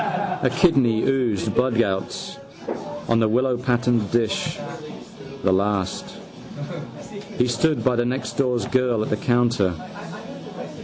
A kidney oozed bloodgouts on the willowpatterned dish: the last. He stood by the nextdoor girl at the counter.